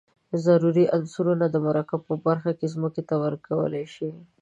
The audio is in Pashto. ضروري عنصرونه د مرکبونو په بڼه ځمکې ته ورکول شي.